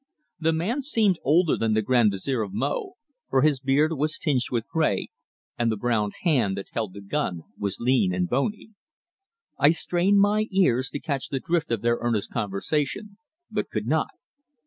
The man seemed older than the Grand Vizier of Mo, for his beard was tinged with grey, and the brown hand that held the gun was lean and bony. I strained my ears to catch the drift of their earnest conversation, but could not.